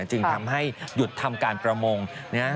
จึงทำให้หยุดธรรมการประโมงนี่ฮะ